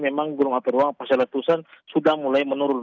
memang gunung api pasir letusan sudah mulai menurun